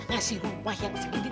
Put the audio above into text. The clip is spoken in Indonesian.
ngasih rumah yang segini